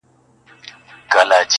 د سپوږمۍ سره یې پټ د میني راز دی,